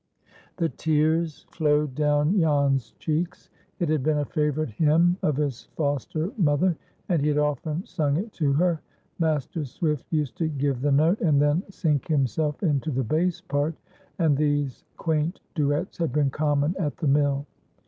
The tears flowed down Jan's cheeks. It had been a favorite hymn of his foster mother, and he had often sung it to her. Master Swift used to "give the note," and then sink himself into the bass part, and these quaint duets had been common at the mill.